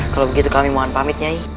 kalau begitu kami mohon pamit nyai